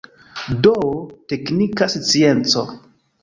Do, teknika scienco.